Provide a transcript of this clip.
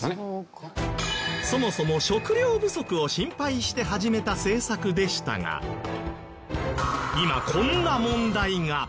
そもそも食料不足を心配して始めた政策でしたが今こんな問題が。